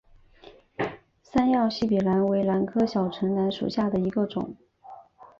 三药细笔兰为兰科小唇兰属下的一个种。